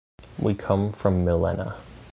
We come from Millena.